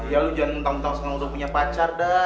ya lo jangan ngetang tang sekarang untuk punya pacar dah